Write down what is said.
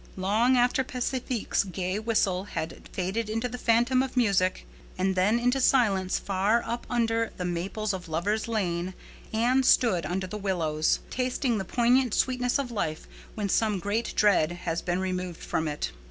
Long after Pacifique's gay whistle had faded into the phantom of music and then into silence far up under the maples of Lover's Lane Anne stood under the willows, tasting the poignant sweetness of life when some great dread has been removed from it.